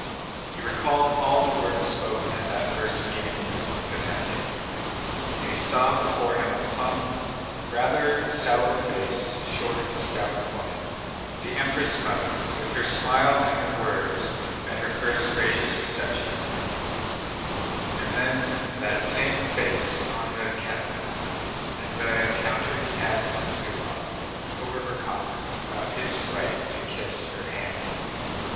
He recalled all the words spoken at that first meeting with Potëmkin. And he saw before him a plump, rather sallow faced, short, stout woman, the Empress Mother, with her smile and her words at her first gracious reception of him, and then that same face on the catafalque, and the encounter he had with Zúbov over her coffin about his right to kiss her hand.